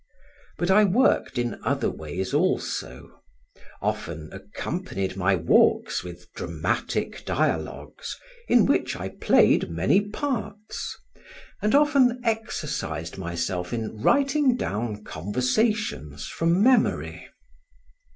But I worked in other ways also; often accompanied my walks with dramatic dialogues, in which I played many parts; and often exercised myself in writing down conversations from memory.